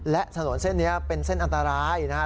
และถนนเส้นนี้เป็นเส้นอันตรายนะครับ